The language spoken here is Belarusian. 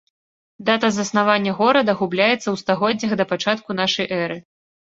Дата заснавання горада губляецца ў стагоддзях да пачатку нашай эры.